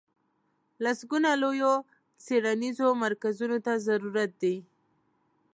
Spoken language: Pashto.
لسګونو لویو څېړنیزو مرکزونو ته ضرورت دی.